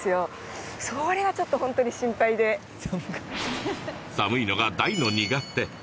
それはちょっとほんとに心配で寒いのが大の苦手